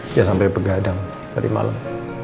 dia sampai pegadang tadi malam